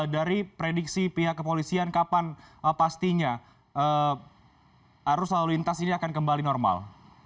dari prediksi pihak kepolisian kapan pastinya arus lalu lintas ini akan kembali normal